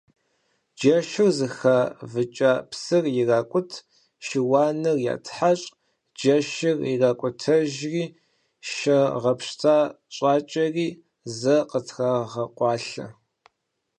Джэшыр зыхэвыкӀа псыр иракӀут, шыуаныр ятхьэщӀ, джэшыр иракӀутэжри, шэ гъэпщта щӀакӀэри, зэ къытрагъэкъуалъэ.